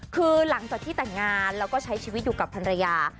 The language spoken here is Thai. คือหลังจากที่แต่งงานแล้วก็ใช้ชีวิตอยู่กับภรรยา